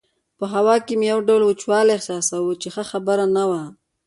په هوا کې مې یو ډول وچوالی احساساوه چې ښه خبره نه وه.